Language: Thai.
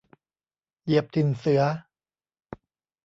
เหยียบถิ่นเสือ